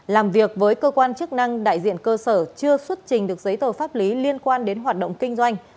làm việc với cơ quan chức năng đại diện cơ sở chưa xuất trình được giấy tờ pháp lý liên quan đến hoạt động kinh doanh